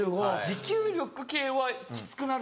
持久力系はきつくなる。